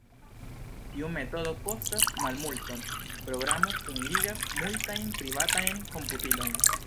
Tiu metodo kostas malmulton: Programo kunligas multajn privatajn komputilojn.